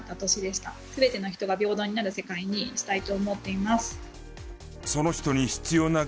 全ての人が平等になる世界にしたいと思っています。